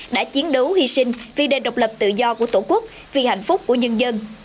đã chiến đấu hy sinh vì đền độc lập tự do của tổ quốc vì hạnh phúc của nhân dân